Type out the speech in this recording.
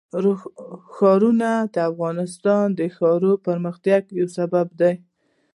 ښارونه د افغانستان د ښاري پراختیا یو سبب دی.